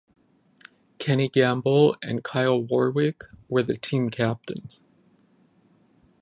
Kenny Gamble and Kyle Warwick were the team captains.